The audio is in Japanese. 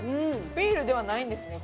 ビールではないんですね